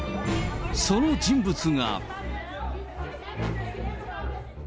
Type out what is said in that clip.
その人物が。